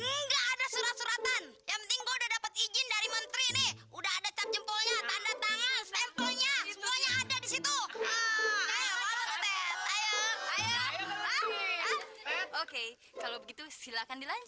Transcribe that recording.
nggak ada surat suratan yang penting gua udah dapet izin dari menteri nih